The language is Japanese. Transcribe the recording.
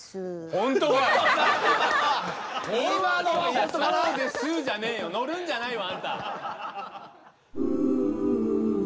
本当「そうです！」じゃねえよ！乗るんじゃないわあんた！